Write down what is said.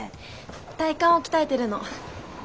体幹を鍛えてるの。